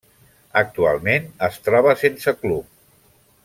Actualment, es troba sense club.